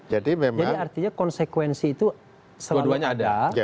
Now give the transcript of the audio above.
jadi artinya konsekuensi itu selalu ada